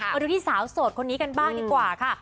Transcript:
มาดูที่สาวโสดคนนี้กันบ้างดีกว่าค่ะ